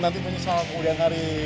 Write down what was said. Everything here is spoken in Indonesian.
nanti menyesal kemudian hari